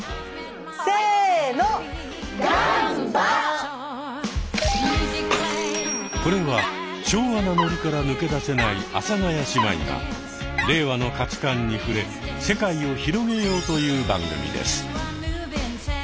せのこれは昭和なノリから抜け出せない阿佐ヶ谷姉妹が令和の価値観に触れ世界を広げようという番組です。